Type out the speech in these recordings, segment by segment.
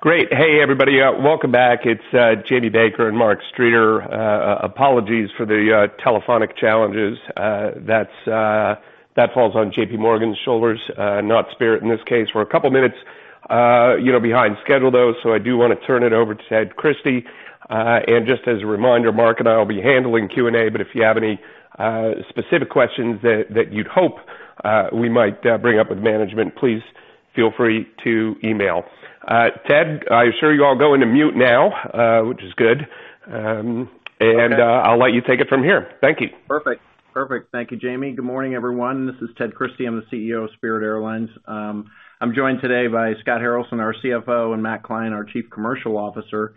Great. Hey, everybody. Welcome back. It's Jamie Baker and Mark Streeter. Apologies for the telephonic challenges. That falls on JPMorgan's shoulders, not Spirit in this case. We're a couple minutes, you know, behind schedule, though, so I do wanna turn it over to Ted Christie. And just as a reminder, Mark and I will be handling Q&A, but if you have any specific questions that, that you'd hope we might bring up with management, please feel free to email. Ted, I assure you I'll go into mute now, which is good. And I'll let you take it from here. Thank you. Perfect. Perfect. Thank you, Jamie. Good morning, everyone. This is Ted Christie. I'm the CEO of Spirit Airlines. I'm joined today by Scott Haralson, our CFO, and Matt Klein, our Chief Commercial Officer.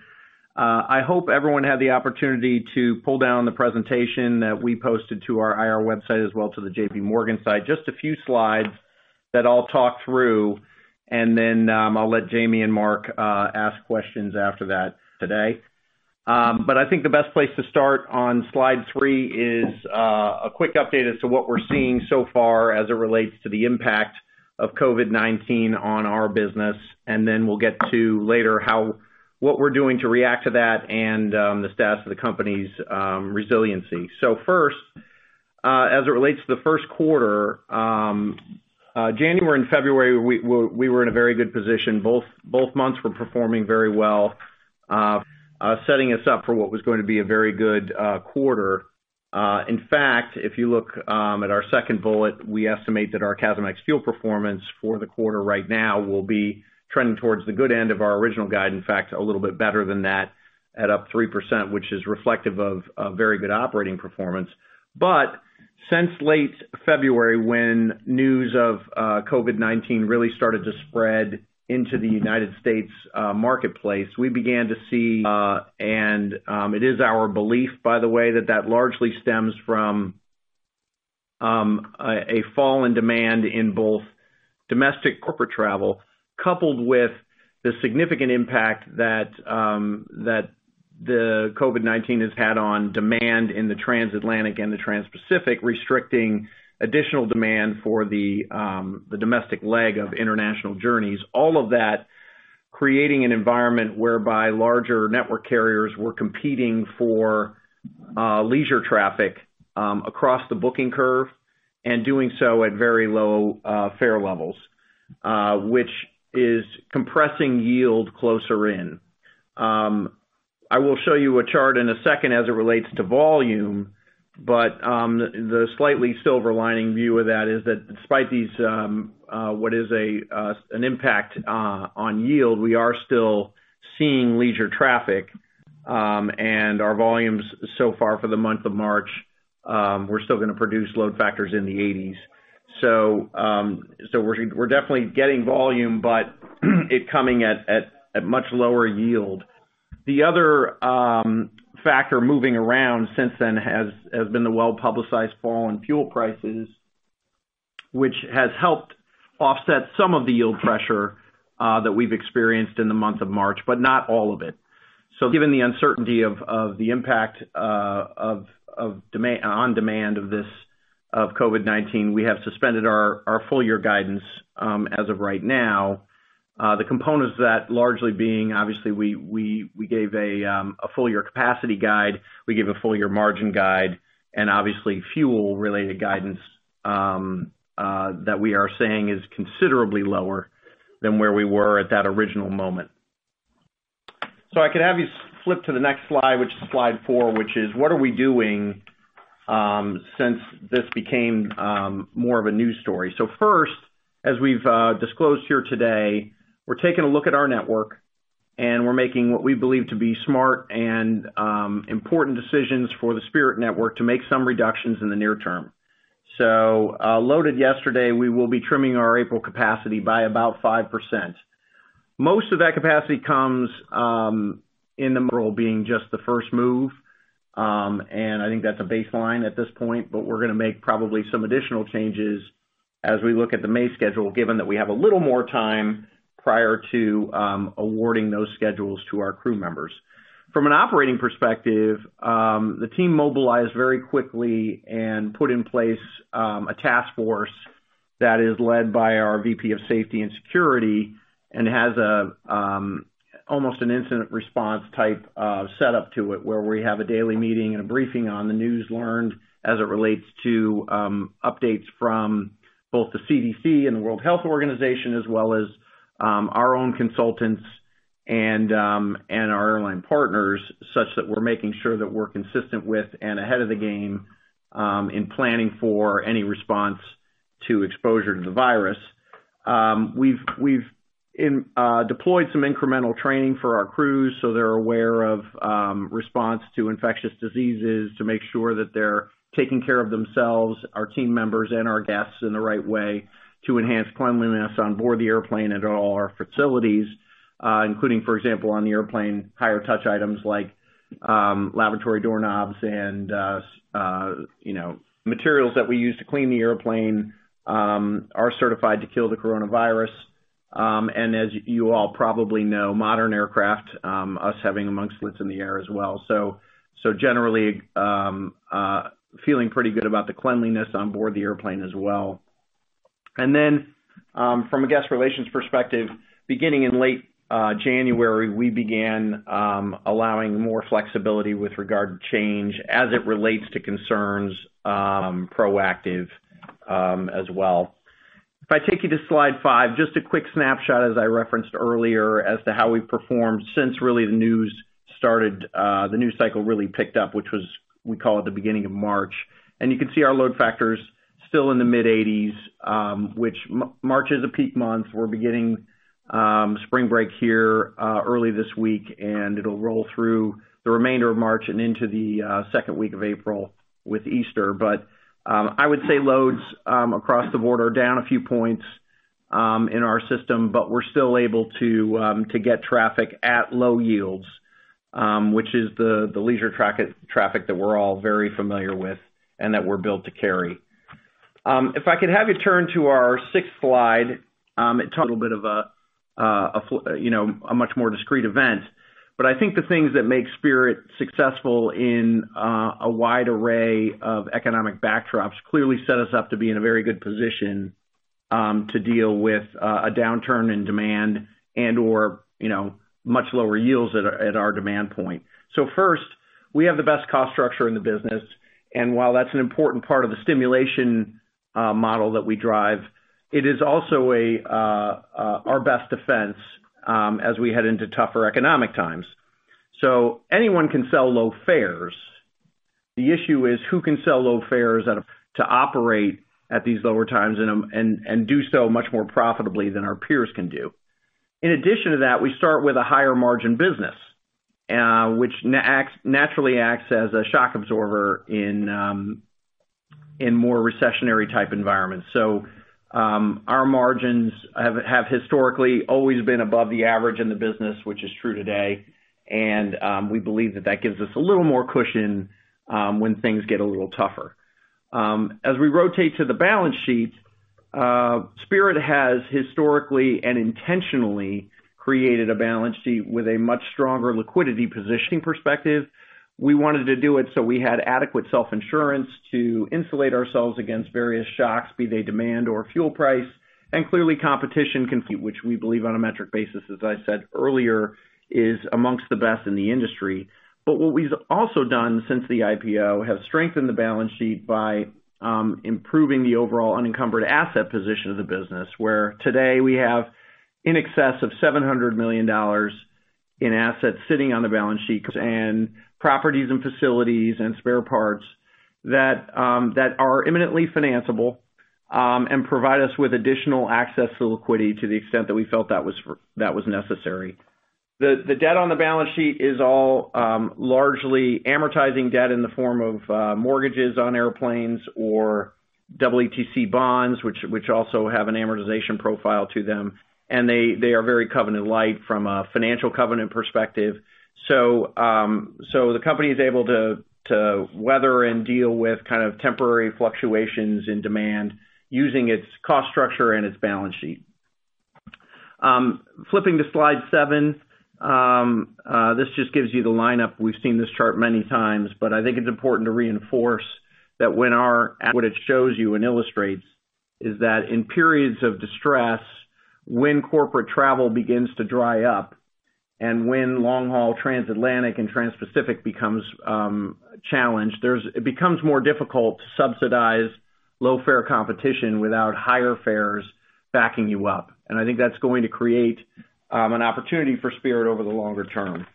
I hope everyone had the opportunity to pull down the presentation that we posted to our IR website as well as to the JPMorgan site. Just a few slides that I'll talk through, and then, I'll let Jamie and Mark ask questions after that today. I think the best place to start on slide three is a quick update as to what we're seeing so far as it relates to the impact of COVID-19 on our business, and then we'll get to later how what we're doing to react to that and the status of the company's resiliency. First, as it relates to the first quarter, January and February, we were in a very good position. Both months were performing very well, setting us up for what was going to be a very good quarter. In fact, if you look at our second bullet, we estimate that our CASM ex-fuel performance for the quarter right now will be trending towards the good end of our original guide, in fact, a little bit better than that, at up 3%, which is reflective of very good operating performance. Since late February, when news of COVID-19 really started to spread into the United States marketplace, we began to see. It is our belief, by the way, that that largely stems from a fall in demand in both domestic corporate travel, coupled with the significant impact that the COVID-19 has had on demand in the transatlantic and the transpacific, restricting additional demand for the domestic leg of international journeys. All of that creating an environment whereby larger network carriers were competing for leisure traffic across the booking curve and doing so at very low fare levels, which is compressing yield closer in. I will show you a chart in a second as it relates to volume, but the slightly silver lining view of that is that despite these, what is an impact on yield, we are still seeing leisure traffic, and our volumes so far for the month of March, we're still gonna produce load factors in the 80s. We're definitely getting volume, but it's coming at much lower yield. The other factor moving around since then has been the well-publicized fall in fuel prices, which has helped offset some of the yield pressure that we've experienced in the month of March, but not all of it. Given the uncertainty of the impact of demand on demand of this, of COVID-19, we have suspended our full-year guidance as of right now. The components of that largely being, obviously, we gave a full-year capacity guide, we gave a full-year margin guide, and obviously fuel-related guidance that we are saying is considerably lower than where we were at that original moment. If you flip to the next slide, which is slide four, which is what are we doing, since this became more of a news story? First, as we've disclosed here today, we're taking a look at our network, and we're making what we believe to be smart and important decisions for the Spirit network to make some reductions in the near term. Loaded yesterday, we will be trimming our April capacity by about 5%. Most of that capacity comes in the role being just the first move, and I think that's a baseline at this point, but we're gonna make probably some additional changes as we look at the May schedule, given that we have a little more time prior to awarding those schedules to our crew members. From an operating perspective, the team mobilized very quickly and put in place a task force that is led by our VP of Safety and Security and has almost an incident response type setup to it where we have a daily meeting and a briefing on the news learned as it relates to updates from both the CDC and the World Health Organization, as well as our own consultants and our airline partners, such that we're making sure that we're consistent with and ahead of the game in planning for any response to exposure to the virus. We've deployed some incremental training for our crews so they're aware of response to infectious diseases to make sure that they're taking care of themselves, our team members, and our guests in the right way to enhance cleanliness on board the airplane at all our facilities, including, for example, on the airplane, higher touch items like laboratory doorknobs and, as you know, materials that we use to clean the airplane are certified to kill the coronavirus. As you all probably know, modern aircraft, us having amongstlets in the air as well. Generally, feeling pretty good about the cleanliness on board the airplane as well. From a guest relations perspective, beginning in late January, we began allowing more flexibility with regard to change as it relates to concerns, proactive, as well. If I take you to slide five, just a quick snapshot, as I referenced earlier, as to how we've performed since really the news started, the news cycle really picked up, which was, we call it the beginning of March. You can see our load factors still in the mid-80%, which March is a peak month. We're beginning spring break here, early this week, and it'll roll through the remainder of March and into the second week of April with Easter. I would say loads across the board are down a few points in our system, but we're still able to get traffic at low yields, which is the leisure traffic that we're all very familiar with and that we're built to carry. If I could have you turn to our sixth slide, it talks a little bit of a, you know, a much more discreet event, but I think the things that make Spirit successful in a wide array of economic backdrops clearly set us up to be in a very good position to deal with a downturn in demand and/or, you know, much lower yields at our demand point. First, we have the best cost structure in the business, and while that's an important part of the stimulation model that we drive, it is also our best defense as we head into tougher economic times. Anyone can sell low fares. The issue is who can sell low fares to operate at these lower times and do so much more profitably than our peers can do. In addition to that, we start with a higher margin business, which naturally acts as a shock absorber in more recessionary-type environments. Our margins have historically always been above the average in the business, which is true today, and we believe that gives us a little more cushion when things get a little tougher. As we rotate to the balance sheet, Spirit has historically and intentionally created a balance sheet with a much stronger liquidity position. Perspective, we wanted to do it so we had adequate self-insurance to insulate ourselves against various shocks, be they demand or fuel price, and clearly competition, which we believe on a metric basis, as I said earlier, is amongst the best in the industry. What we've also done since the IPO has strengthened the balance sheet by improving the overall unencumbered asset position of the business, where today we have in excess of $700 million in assets sitting on the balance sheet in properties and facilities and spare parts that are imminently financeable, and provide us with additional access to liquidity to the extent that we felt that was necessary. The debt on the balance sheet is all largely amortizing debt in the form of mortgages on airplanes or WTC bonds, which also have an amortization profile to them, and they are very covenant light from a financial covenant perspective. The company is able to weather and deal with kind of temporary fluctuations in demand using its cost structure and its balance sheet. Flipping to slide seven, this just gives you the lineup. We've seen this chart many times, but I think it's important to reinforce that what it shows you and illustrates is that in periods of distress, when corporate travel begins to dry up and when long-haul transatlantic and transpacific becomes challenged, it becomes more difficult to subsidize low-fare competition without higher fares backing you up. I think that's going to create an opportunity for Spirit over the longer term.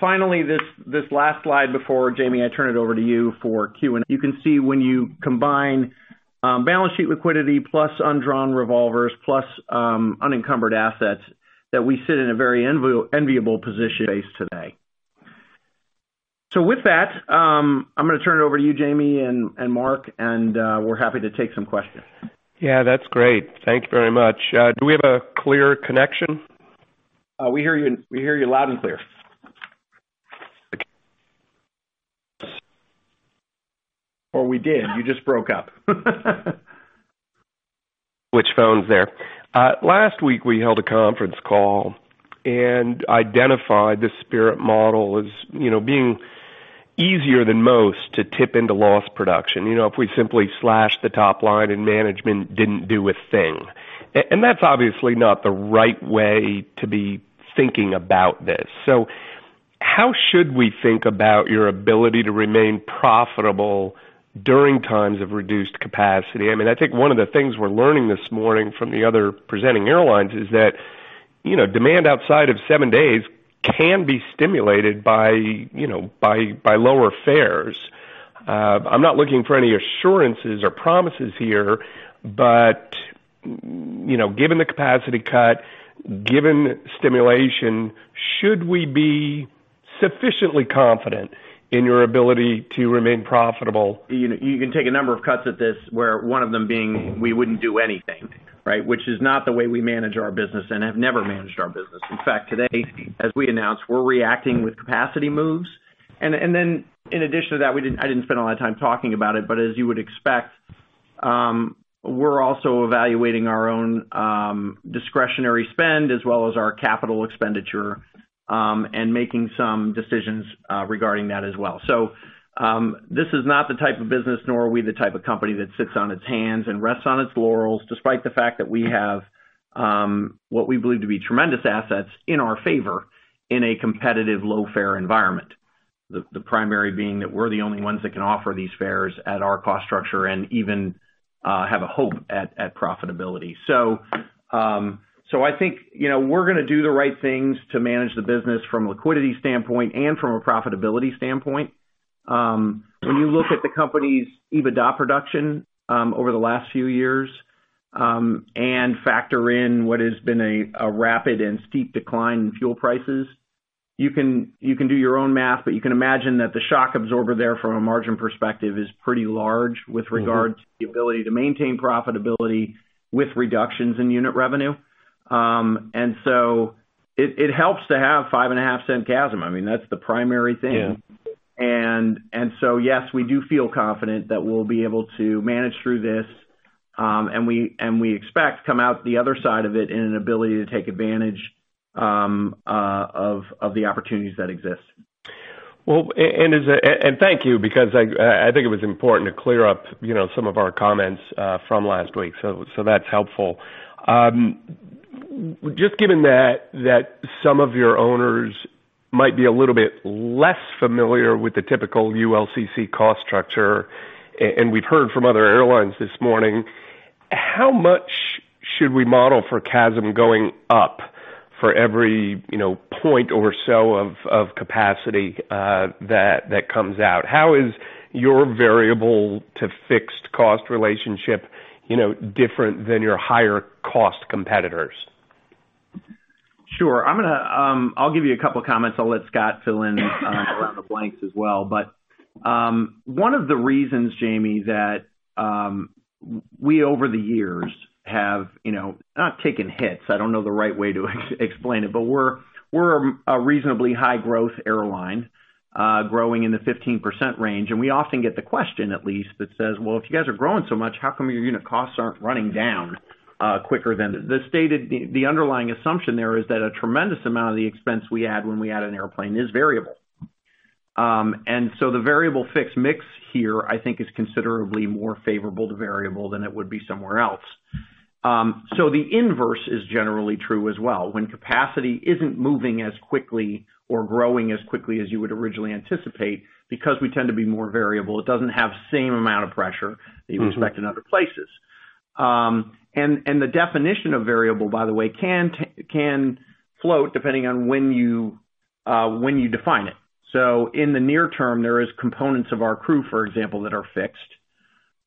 Finally, this last slide before Jamie, I turn it over to you for Q&A. You can see when you combine balance sheet liquidity plus undrawn revolvers plus unencumbered assets that we sit in a very enviable position today. So, with that, I'm gonna turn it over to you, Jamie and Mark, and we're happy to take some questions. Yeah, that's great. Thank you very much. Do we have a clear connection? We hear you. We hear you loud and clear. Or we did. You just broke up. Which phone's there? Last week we held a conference call and identified the Spirit model as, you know, being easier than most to tip into lost production, you know, if we simply slash the top line and management didn't do a thing. And that's obviously not the right way to be thinking about this. How should we think about your ability to remain profitable during times of reduced capacity? I mean, I think one of the things we're learning this morning from the other presenting airlines is that, you know, demand outside of seven days can be stimulated by, you know, by, by lower fares. I'm not looking for any assurances or promises here, but, you know, given the capacity cut, given stimulation, should we be sufficiently confident in your ability to remain profitable? You know, you can take a number of cuts at this where one of them being we wouldn't do anything, right, which is not the way we manage our business and have never managed our business. In fact, today, as we announced, we're reacting with capacity moves. And then in addition to that, I didn't spend a lot of time talking about it, but as you would expect, we're also evaluating our own discretionary spend as well as our capital expenditure, and making some decisions regarding that as well. This is not the type of business, nor are we the type of company that sits on its hands and rests on its laurels, despite the fact that we have, what we believe to be tremendous assets in our favor in a competitive low fare environment, the primary being that we're the only ones that can offer these fares at our cost structure and even have a hope at profitability. I think, you know, we're gonna do the right things to manage the business from a liquidity standpoint and from a profitability standpoint. When you look at the company's EBITDA production over the last few years, and factor in what has been a rapid and steep decline in fuel prices, you can do your own math, but you can imagine that the shock absorber there from a margin perspective is pretty large with regard to the ability to maintain profitability with reductions in unit revenue. It helps to have $0.055 CASM. I mean, that's the primary thing. Yeah. Yes, we do feel confident that we'll be able to manage through this, and we expect to come out the other side of it in an ability to take advantage of the opportunities that exist. And thank you because I think it was important to clear up, you know, some of our comments from last week. So that's helpful. Just given that some of your owners might be a little bit less familiar with the typical ULCC cost structure, and we've heard from other airlines this morning, how much should we model for CASM going up for every, you know, point or so of capacity that comes out? How is your variable-to-fixed cost relationship, you know, different than your higher cost competitors? Sure. I'm gonna give you a couple of comments. I'll let Scott fill in the blanks as well. But one of the reasons, Jamie, that we over the years have, you know, not taken hits, I don't know the right way to explain it, but we're a reasonably high-growth airline, growing in the 15% range. We often get the question, at least, that says, "Well, if you guys are growing so much, how come your unit costs aren't running down, quicker than?" The stated, the underlying assumption there is that a tremendous amount of the expense we add when we add an airplane is variable. And so, the variable-fixed mix here, I think, is considerably more favorable to variable than it would be somewhere else. The inverse is generally true as well. When capacity isn't moving as quickly or growing as quickly as you would originally anticipate, because we tend to be more variable, it doesn't have the same amount of pressure that you would expect in other places. The definition of variable, by the way, can float depending on when you define it. In the near term, there are components of our crew, for example, that are fixed.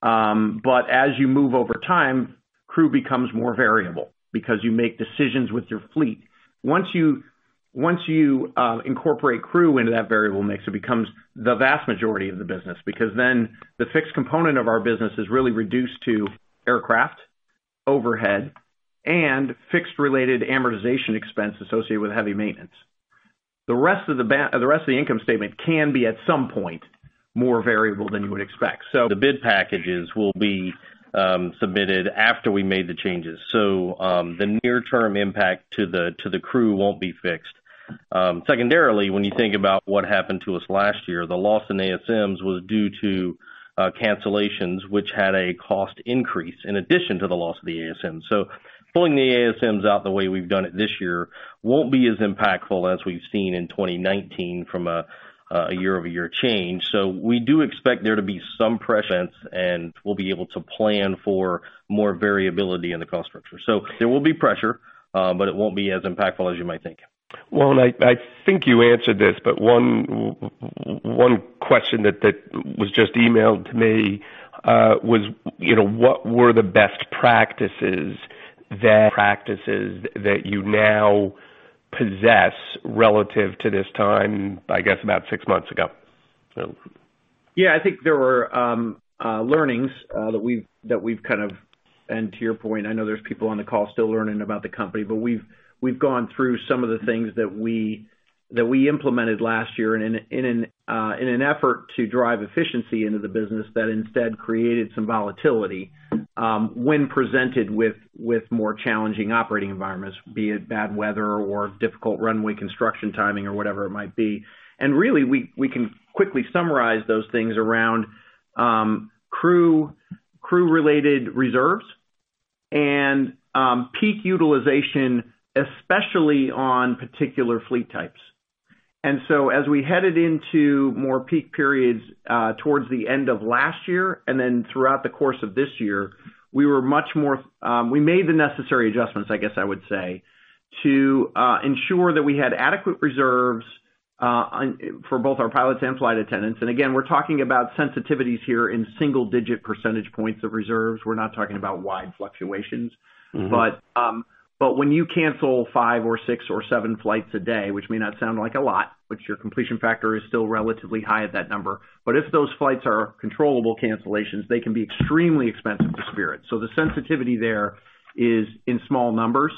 But as you move over time, crew becomes more variable because you make decisions with your fleet. Once you incorporate crew into that variable mix, it becomes the vast majority of the business because then the fixed component of our business is really reduced to aircraft overhead and fixed-related amortization expense associated with heavy maintenance. The rest of the income statement can be at some point more variable than you would expect. The bid packages will be submitted after we made the changes. So, the near-term impact to the crew won't be fixed. Secondarily, when you think about what happened to us last year, the loss in ASMs was due to cancellations, which had a cost increase in addition to the loss of the ASMs. So, pulling the ASMs out the way we've done it this year won't be as impactful as we've seen in 2019 from a year-over-year change. We do expect there to be some pressure events, and we'll be able to plan for more variability in the cost structure. There will be pressure, but it won't be as impactful as you might think. I think you answered this, but one question that was just emailed to me was, you know, what were the best practices that. Practices that you now possess relative to this time, I guess, about six months ago? Yeah, I think there were learnings that we've kind of, and to your point, I know there's people on the call still learning about the company, but we've gone through some of the things that we implemented last year in an effort to drive efficiency into the business that instead created some volatility when presented with more challenging operating environments, be it bad weather or difficult runway construction timing or whatever it might be. Really, we can quickly summarize those things around crew, crew-related reserves and peak utilization, especially on particular fleet types. As we headed into more peak periods, towards the end of last year and then throughout the course of this year, we were much more, we made the necessary adjustments, I guess I would say, to ensure that we had adequate reserves for both our pilots and flight attendants. Again, we're talking about sensitivities here in single-digit percentage points of reserves. We're not talking about wide fluctuations. When you cancel five or six or seven flights a day, which may not sound like a lot, your completion factor is still relatively high at that number, but if those flights are controllable cancellations, they can be extremely expensive to Spirit. The sensitivity there is in small numbers.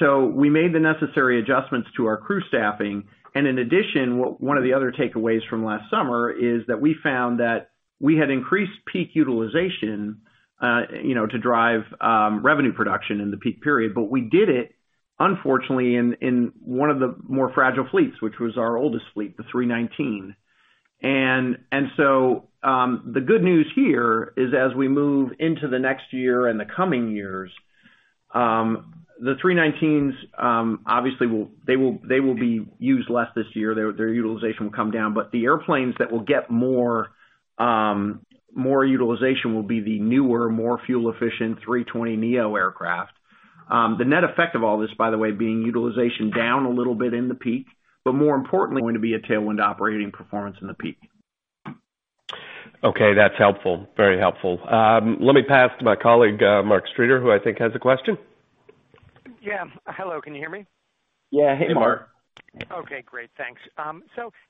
We made the necessary adjustments to our crew staffing. In addition, one of the other takeaways from last summer is that we found that we had increased peak utilization, you know, to drive revenue production in the peak period, but we did it, unfortunately, in one of the more fragile fleets, which was our oldest fleet, the 319. And so the good news here is as we move into the next year and the coming years, the 319s obviously will be used less this year. Their utilization will come down. The airplanes that will get more, more utilization will be the newer, more fuel-efficient A320neo aircraft. The net effect of all this, by the way, being utilization down a little bit in the peak, but more importantly, going to be a tailwind operating performance in the peak. Okay, that's helpful. Very helpful. Let me pass to my colleague, Mark Streeter, who I think has a question. Yeah. Hello. Can you hear me? Yeah. Hey, Mark. Okay. Great. Thanks. You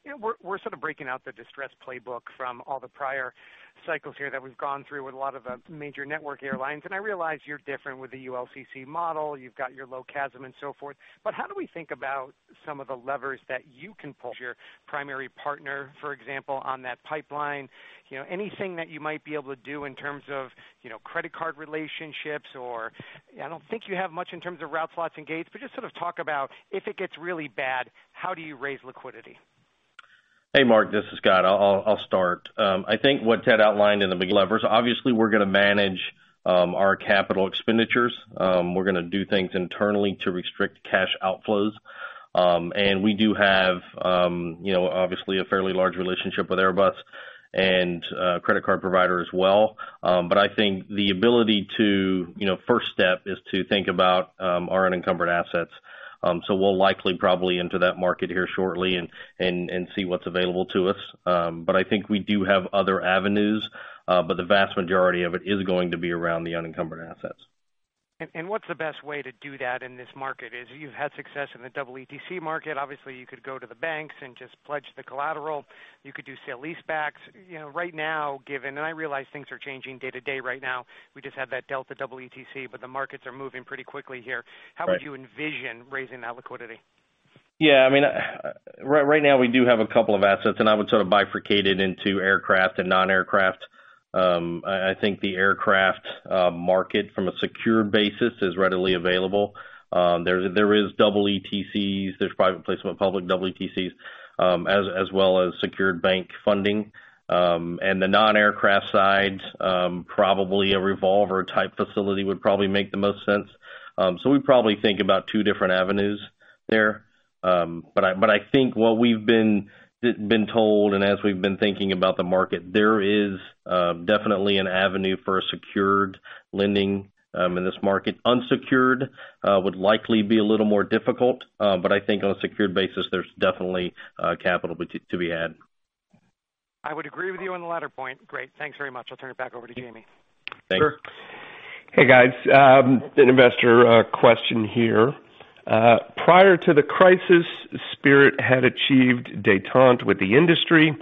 know, we're sort of breaking out the distress playbook from all the prior cycles here that we've gone through with a lot of the major network airlines. I realize you're different with the ULCC model. You've got your low CASM and so forth. How do we think about some of the levers that you can pull, your primary partner, for example, on that pipeline? You know, anything that you might be able to do in terms of credit card relationships or I don't think you have much in terms of route slots and gates, but just sort of talk about if it gets really bad, how do you raise liquidity? Hey, Mark. This is Scott. I'll start. I think what Ted outlined in the levers, obviously, we're gonna manage our capital expenditures. We're gonna do things internally to restrict cash outflows. We do have, you know, obviously, a fairly large relationship with Airbus and credit card provider as well. I think the ability to, you know, first step is to think about our unencumbered assets. We'll likely probably enter that market here shortly and see what's available to us. I think we do have other avenues, but the vast majority of it is going to be around the unencumbered assets. What's the best way to do that in this market is you've had success in the EETC market. Obviously, you could go to the banks and just pledge the collateral. You could do sale-leasebacks. You know, right now, given and I realize things are changing day to day right now. We just had that Delta EETC, but the markets are moving pretty quickly here. How would you envision raising that liquidity? Yeah. I mean, right now, we do have a couple of assets, and I would sort of bifurcate it into aircraft and non-aircraft. I think the aircraft market from a secured basis is readily available. There is EETCs. There's private placement public EETCs, as well as secured bank funding. And the non-aircraft side, probably a revolver-type facility would probably make the most sense. We'd probably think about two different avenues there. I think what we've been told and as we've been thinking about the market, there is definitely an avenue for secured lending in this market. Unsecured would likely be a little more difficult. I think on a secured basis, there's definitely capital to be had. I would agree with you on the latter point. Great. Thanks very much. I'll turn it back over to Jamie. Sure. Hey, guys. An investor question here. Prior to the crisis, Spirit had achieved détente with the industry.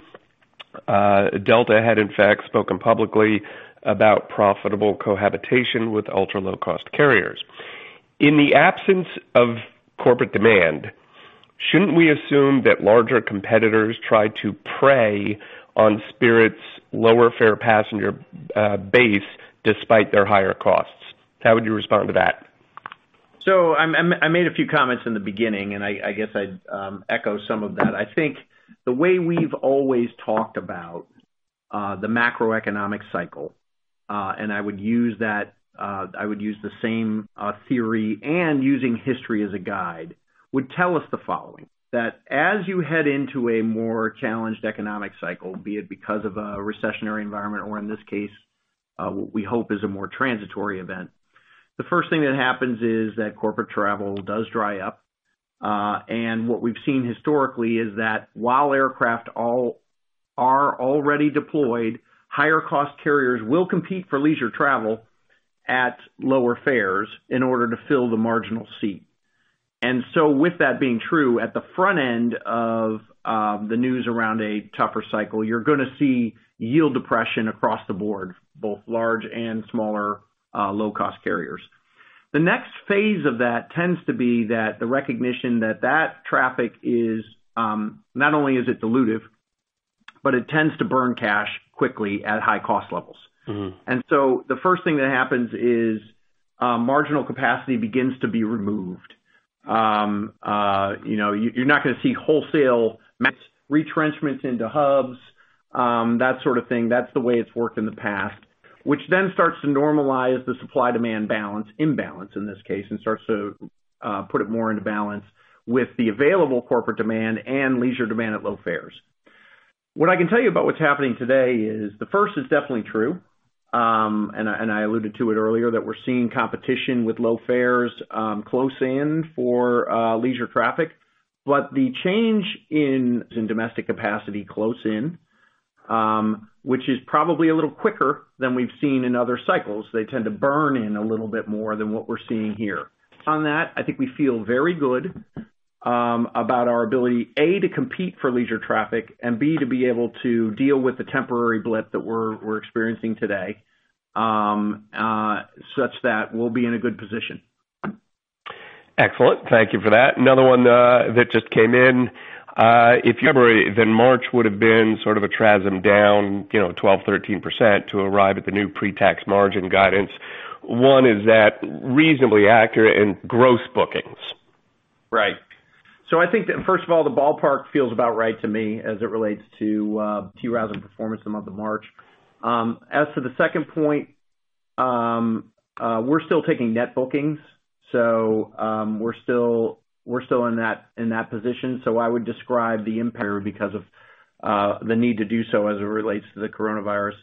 Delta had, in fact, spoken publicly about profitable cohabitation with ultra-low-cost carriers. In the absence of corporate demand, shouldn't we assume that larger competitors try to prey on Spirit's lower fare passenger base despite their higher costs? How would you respond to that? I made a few comments in the beginning, and I guess I'd echo some of that. I think the way we've always talked about the macroeconomic cycle, and I would use that, I would use the same theory and using history as a guide, would tell us the following: that as you head into a more challenged economic cycle, be it because of a recessionary environment or, in this case, what we hope is a more transitory event, the first thing that happens is that corporate travel does dry up. And what we've seen historically is that while aircraft all are already deployed, higher-cost carriers will compete for leisure travel at lower fares in order to fill the marginal seat. And so with that being true, at the front end of the news around a tougher cycle, you're gonna see yield depression across the board, both large and smaller, low-cost carriers. The next phase of that tends to be that the recognition that that traffic is, not only is it dilutive, but it tends to burn cash quickly at high-cost levels. And so the first thing that happens is, marginal capacity begins to be removed. You know, you're not gonna see wholesale major retrenchments into hubs, that sort of thing. That's the way it's worked in the past, which then starts to normalize the supply-demand balance, imbalance in this case, and starts to put it more into balance with the available corporate demand and leisure demand at low fares. What I can tell you about what's happening today is the first is definitely true. I alluded to it earlier that we're seeing competition with low fares, close in for leisure traffic. The change in domestic capacity close in, which is probably a little quicker than we've seen in other cycles, they tend to burn in a little bit more than what we're seeing here. On that, I think we feel very good about our ability, A, to compete for leisure traffic, and B, to be able to deal with the temporary blip that we're experiencing today, such that we'll be in a good position. Excellent. Thank you for that. Another one, that just came in. If you remember, then March would have been sort of a TRASM down, you know, 12%-13% to arrive at the new pre-tax margin guidance. One, is that reasonably accurate in gross bookings. Right. I think that, first of all, the ballpark feels about right to me as it relates to TRASM performance in the month of March. As to the second point, we're still taking net bookings. We're still in that position. I would describe the impact because of the need to do so as it relates to the coronavirus.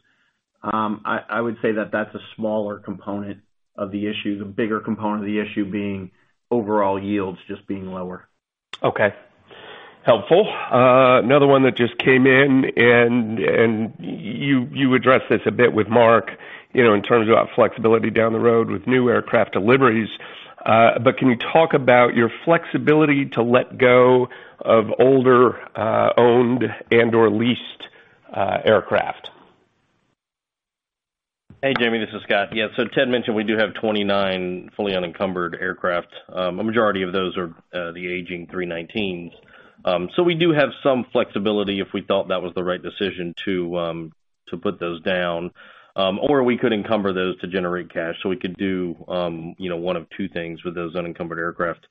I would say that that's a smaller component of the issue, the bigger component of the issue being overall yields just being lower. Okay. Helpful. Another one that just came in, and you, you addressed this a bit with Mark, you know, in terms of flexibility down the road with new aircraft deliveries. Can you talk about your flexibility to let go of older, owned and/or leased, aircraft? Hey, Jamie. This is Scott. Yeah. Ted mentioned we do have 29 fully unencumbered aircraft. A majority of those are the aging 319s. We do have some flexibility if we thought that was the right decision to put those down. Or we could encumber those to generate cash. We could do, you know, one of two things with those unencumbered aircraft.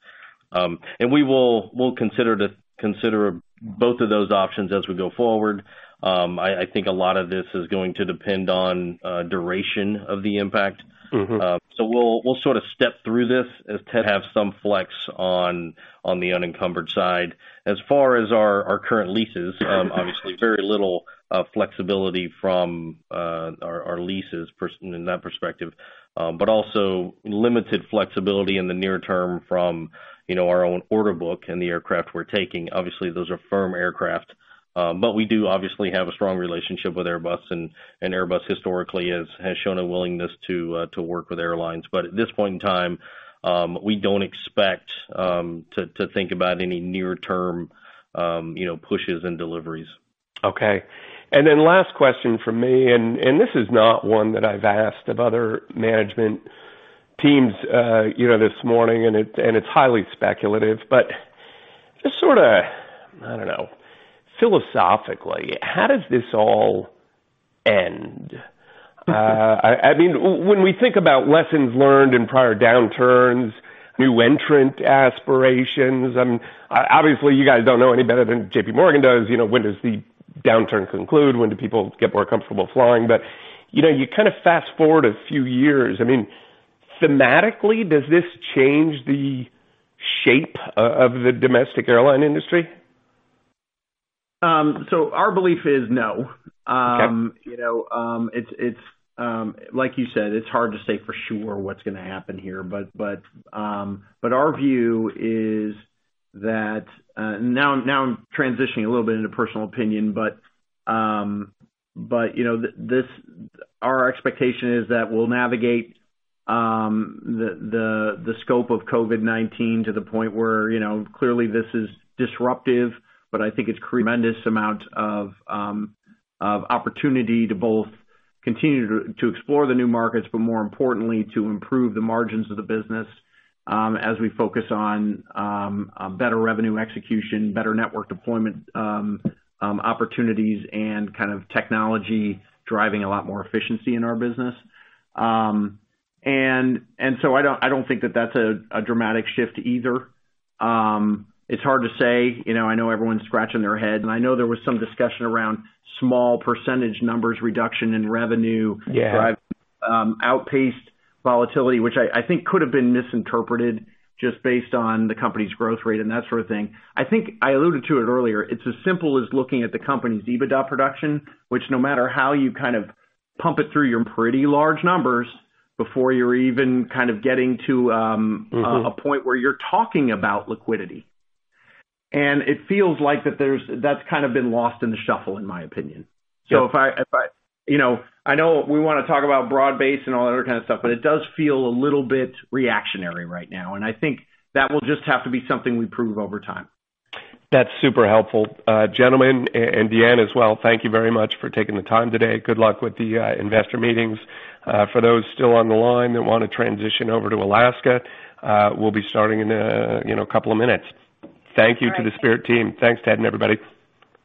We will consider both of those options as we go forward. I think a lot of this is going to depend on duration of the impact. We'll sort of step through this as Ted have some flex on the unencumbered side. As far as our current leases, obviously, very little flexibility from our leases in that perspective, but also limited flexibility in the near term from, you know, our own order book and the aircraft we're taking. Obviously, those are firm aircraft. We do obviously have a strong relationship with Airbus, and Airbus historically has shown a willingness to work with airlines. At this point in time, we don't expect to think about any near-term, you know, pushes and deliveries. Okay. And then last question for me, and this is not one that I've asked of other management teams this morning, and it's highly speculative, but just sort of, I don't know, philosophically, how does this all end? I mean, when we think about lessons learned in prior downturns, new entrant aspirations, obviously, you guys don't know any better than JPMorgan does, you know, when does the downturn conclude? When do people get more comfortable flying? You kind of fast-forward a few years. I mean, thematically, does this change the shape of the domestic airline industry? So, our belief is no. You know, it's, like you said, it's hard to say for sure what's gonna happen here, but our view is that, now I'm transitioning a little bit into personal opinion, but, you know, this, our expectation is that we'll navigate the scope of COVID-19 to the point where, you know, clearly this is disruptive, but I think it's created a tremendous amount of opportunity to both continue to explore the new markets, but more importantly, to improve the margins of the business, as we focus on better revenue execution, better network deployment, opportunities, and kind of technology driving a lot more efficiency in our business. I don't think that that's a dramatic shift either. It's hard to say you know, I know everyone's scratching their head, and I know there was some discussion around small percentage numbers reduction in revenue. Driving, outpaced volatility, which I think could have been misinterpreted just based on the company's growth rate and that sort of thing. I think I alluded to it earlier. It's as simple as looking at the company's EBITDA production, which no matter how you kind of pump it through, you're pretty large numbers before you're even kind of getting to a point where you're talking about liquidity. It feels like that's kind of been lost in the shuffle, in my opinion. If I, you know, I know we wanna talk about broad base and all that other kind of stuff, but it does feel a little bit reactionary right now. I think that will just have to be something we prove over time. That's super helpful. Gentlemen, and Deanne as well, thank you very much for taking the time today. Good luck with the investor meetings. For those still on the line that wanna transition over to Alaska, we'll be starting in, you know, a couple of minutes. Thank you to the Spirit team. Thanks, Ted and everybody.